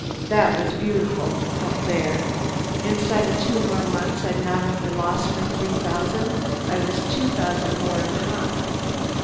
"That was beautiful, up there. Inside of two more months I'd not only lost my three thousand, I was two thousand more in hock.